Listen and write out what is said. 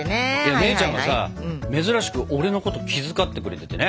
姉ちゃんがさ珍しく俺のことを気遣ってくれててね。